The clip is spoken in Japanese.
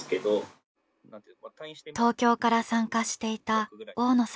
東京から参加していた大野さん。